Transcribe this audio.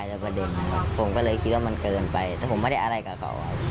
แล้วประเด็นผมก็เลยคิดว่ามันเกินไปแต่ผมไม่ได้อะไรกับเขาอ่ะ